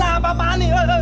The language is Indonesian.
alah apa apaan nih